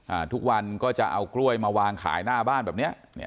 อ่าทุกวันก็จะเอากล้วยมาวางขายหน้าบ้านแบบเนี้ยเนี้ย